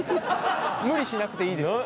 無理しなくていいですよ。